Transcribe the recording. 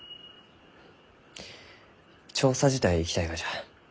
調査自体行きたいがじゃ。